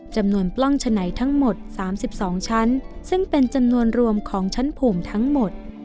จำนวนปล้องฉะไหนทั้งหมด๓๒ชั้นซึ่งเป็นจำนวนรวมของชั้นภูมิทั้งหมด